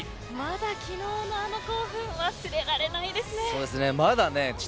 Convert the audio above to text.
昨日のあの興奮忘れられないですね。